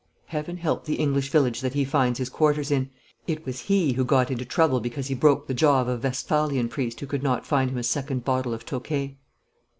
Heaven help the English village that he finds his quarters in! It was he who got into trouble because he broke the jaw of a Westphalian priest who could not find him a second bottle of Tokay.'